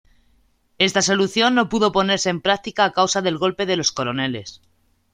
Esta solución no pudo ponerse en práctica a causa del golpe de los coroneles.